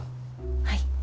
はい。